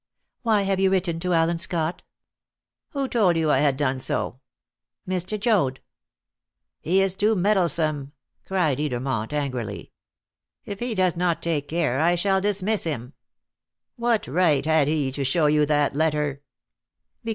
"Why have you written to Allen Scott?" "Who told you I had done so?" "Mr. Joad." "He is too meddlesome!" cried Edermont angrily. "If he does not take care I shall dismiss him! What right had he to show you that letter?"